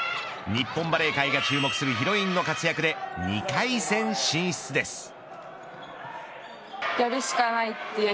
日本バレー界が注目するヒロインの活躍で２回戦進出です。